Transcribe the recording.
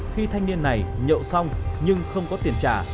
khi thanh niên này nhậu xong nhưng không có tiền trả